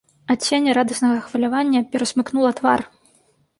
Адценне радаснага хвалявання перасмыкнула твар.